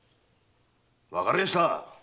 わかりやした！